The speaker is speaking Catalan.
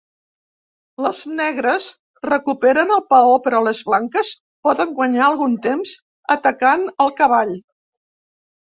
Les negres recuperen el peó, però les blanques poden guanyar algun temps atacant el cavall.